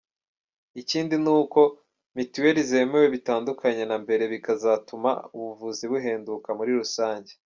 Ikindi ni uko na mituweri zemewe bitandukanye na mbere bikazatuma ubuvuzi buhenduka muri rusange”.